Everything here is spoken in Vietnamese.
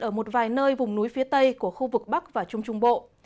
ở một vài nơi vùng núi phía tây của khu vực bắc và trung trung bộ